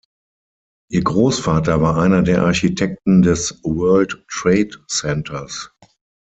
Ihr Großvater war einer der Architekten des World Trade Centers.